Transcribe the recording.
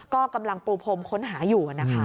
ก็กำลังปูพรมค้นหาอยู่นะคะ